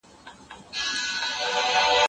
ضايع شوی وخت بېرته نه راګرځي.